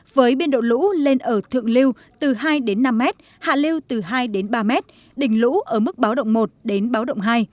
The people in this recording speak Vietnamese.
với biên độ lũ lên ở thượng lưu từ hai đến năm m hạ lưu từ hai đến ba mét đỉnh lũ ở mức báo động một đến báo động hai